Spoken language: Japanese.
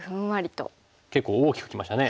結構大きくきましたね。